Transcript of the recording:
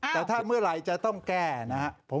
แต่ถ้าเมื่อไหร่จะต้องแก้นะครับ